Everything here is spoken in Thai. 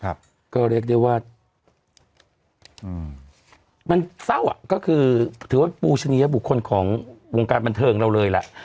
ก็เรียกได้ว่ามันเศร้าอ่ะก็คือถือว่าปูชนียบุคคลของวงการบันเทิงเราเลยแหละ